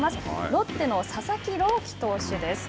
ロッテの佐々木朗希投手です。